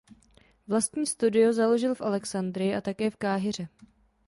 Vlastní studio založil v Alexandrii a také v Káhiře.